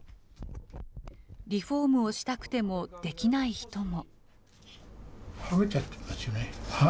リフォームをしたくてもできない人も。